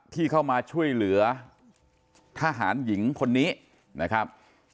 ที่เข้ามาช่วยเหลือทหารหญิงคนนี้นะครับ